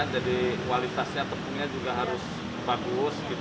jadi kualitasnya tepungnya juga harus bagus